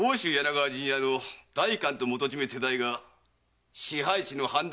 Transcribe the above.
陣屋の代官と元締手代が支配地の半田